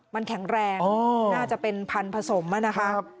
มันแข็งแรงน่าจะเป็นพันธุ์ผสมนะคะ